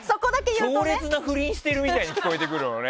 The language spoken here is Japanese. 強烈な不倫してるみたいに聞こえてくるよね。